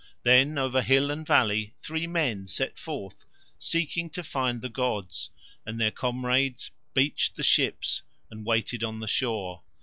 Then over hill and valley three men set forth seeking to find the gods, and their comrades beached the ships and waited on the shore.